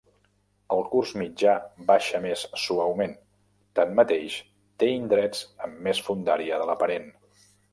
El curs mitjà baixa més suaument, tanmateix té indrets amb més fondària de l'aparent.